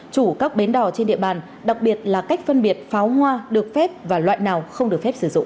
chủ các bến đò trên địa bàn đặc biệt là cách phân biệt pháo hoa được phép và loại nào không được phép sử dụng